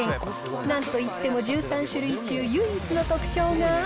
なんといっても１３種類中、唯一の特徴が。